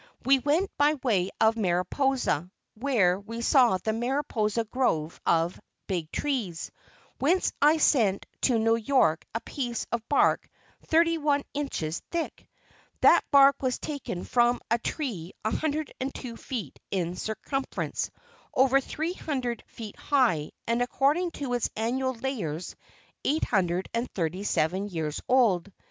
We went by way of Mariposa where we saw the Mariposa grove of "big trees," whence I sent to New York a piece of bark thirty one inches thick! That bark was taken from a tree 102 feet in circumference, over three hundred feet high, and according to its annual layers, 837 years old.